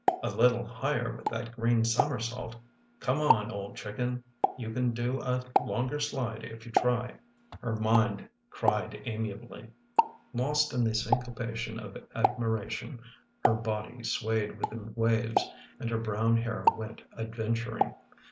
"A little higher with that green somersault! Come on, old chicken, you can do a longer slide if you try! " her mind cried amiably. Lost in the syncopation of admira tion her body swayed with the waves and her brown hair went adventuring.